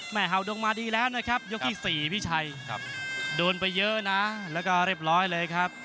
เห่าดงมาดีแล้วนะครับยกที่๔พี่ชัยโดนไปเยอะนะแล้วก็เรียบร้อยเลยครับ